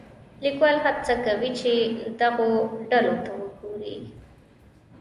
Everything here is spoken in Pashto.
لیکوال هڅه کوي چې دغو ډلو ته وګوري.